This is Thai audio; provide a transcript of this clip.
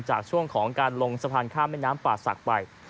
ช่วงของการลงสะพานข้ามแม่น้ำป่าศักดิ์ไป